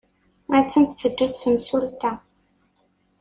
Attan tetteddu-d temsulta!